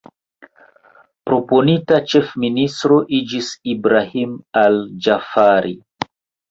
Proponita ĉefministro iĝis Ibrahim al-Ĝaafari.